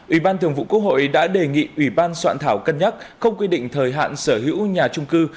ủy ban thường vụ quốc hội đã đề nghị ủy ban soạn thảo cân nhắc không quy định thời hạn sở hữu nhà trung cư